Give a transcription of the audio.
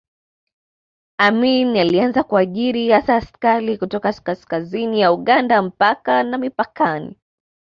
Amin alianza kuajiri hasa askari kutoka kaskazini ya Uganda mpakani na mipakani